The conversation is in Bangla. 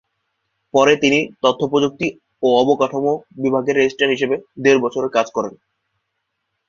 পরে তিনি তথ্য প্রযুক্তি ও অবকাঠামো বিভাগের রেজিস্ট্রার হিসেবে দেড় বছর ধরে কাজ করেন।